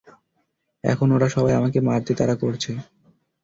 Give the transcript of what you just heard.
এখন ওরা সবাই আমাকে মারতে তাড়া করছে।